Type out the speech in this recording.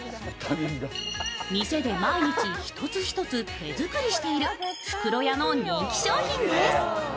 店で毎日一つ一つ手作りしている福呂屋の人気商品です。